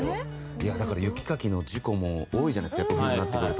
いやだから雪かきの事故も多いじゃないですかやっぱ冬になってくると。